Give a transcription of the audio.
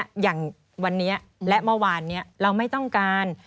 อย่างวันนี้และเมื่อวานนี้เราไม่ต้องการ